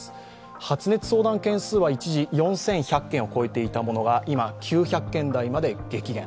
発熱相談件数は一時４１００件を超えていた者が今、９００件台まで激減。